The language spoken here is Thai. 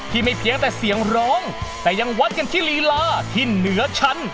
ไม่เพียงแต่เสียงร้องแต่ยังวัดกันที่ลีลาที่เหนือชั้น